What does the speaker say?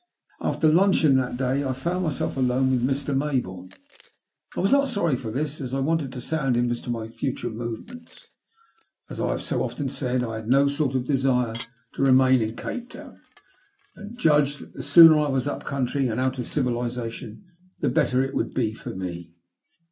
After luncheon that day I found myself alone with Mr. Mayboume. I was not sorry for this, as I wanted to sound him as to my future movements. As I have so often said, I had no sort of desire to remain in Cape Town, and judged that the sooner I was up country, and out of civilization, the better it would be for me.